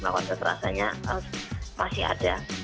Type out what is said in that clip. maka terasanya masih ada